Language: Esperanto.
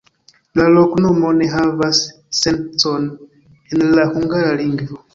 La loknomo ne havas sencon el la hungara lingvo.